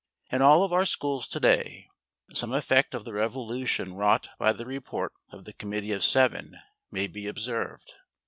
In all of our schools to day some effect of the revolution wrought by the report of the Committee of Seven may be observed.